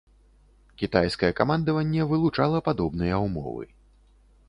Кітайскае камандаванне вылучала падобныя ўмовы.